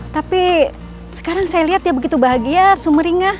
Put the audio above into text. tapi sekarang saya lihat dia begitu bahagia sumeringah